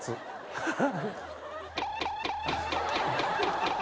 ハハハ。